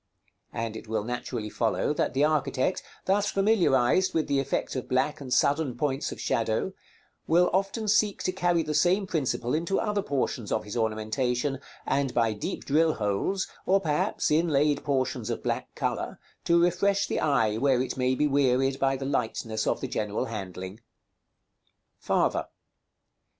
And it will naturally follow that the architect, thus familiarized with the effect of black and sudden points of shadow, will often seek to carry the same principle into other portions of his ornamentation, and by deep drill holes, or perhaps inlaid portions of black color, to refresh the eye where it may be wearied by the lightness of the general handling. § XLII. Farther.